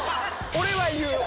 俺は言うよ。